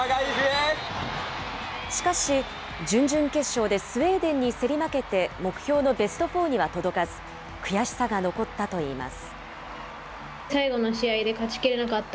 しかし、準々決勝でスウェーデンに競り負けて、目標のベストフォーには届かず、悔しさが残ったといいます。